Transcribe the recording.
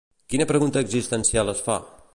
Quina pregunta existencial es fa?